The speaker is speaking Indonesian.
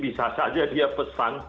bisa saja dia pesan